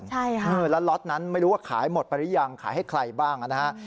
ใช่ค่ะแล้วล็อตนั้นไม่รู้ว่าขายหมดไปหรือยังขายให้ใครบ้างนะฮะ